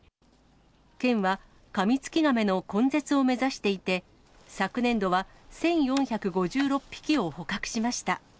県は、カミツキガメの根絶を目指していて、昨年度は１４５６匹を捕獲しました。